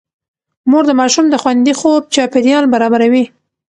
مور د ماشوم د خوندي خوب چاپېريال برابروي.